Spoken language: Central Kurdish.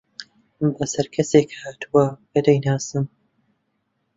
بەسەر کەسێک هاتووە کە دەیناسم.